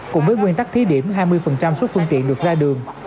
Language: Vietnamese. cùng với nguyên tắc thí điểm hai mươi số phương tiện được ra đường